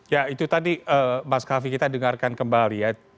ya itu tadi mas kavi kita dengarkan kembali ya